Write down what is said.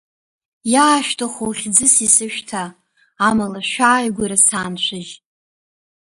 Иаашәҭаху хьӡыс исышәҭа, амала шәааигәара сааншәыжь!